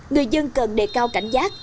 người dân cần đề cao cảnh giác